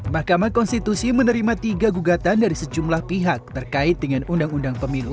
mahkamah konstitusi menerima tiga gugatan dari sejumlah pihak terkait dengan undang undang pemilu